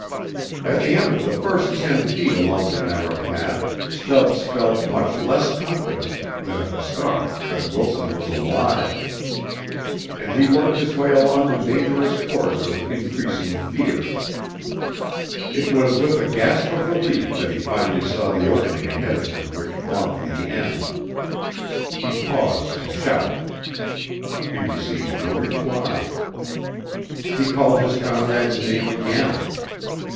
At the end of the first ten feet along the narrow path Stubbs felt much less confident than at the start that Wilson was alive. And he worked his way along the dangerous course with increasing fear. It was with a gasp of relief that he finally saw the opening ahead of him which marked the end. He paused to shout. He received no reply. He called his comrade's name again.